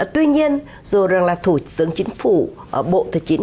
tuy nhiên dù rằng là thủ tướng chính phủ bộ tài chính